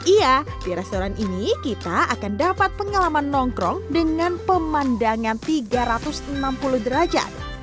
iya di restoran ini kita akan dapat pengalaman nongkrong dengan pemandangan tiga ratus enam puluh derajat